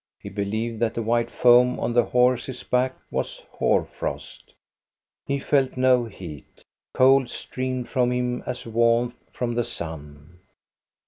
He believed that the white foam on the horse's back was hoarfrost. He felt no heat. Cold streamed from him as warmth from the sun.